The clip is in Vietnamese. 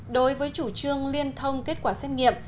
đối với chủ trương liên thông kết quả xét nghiệm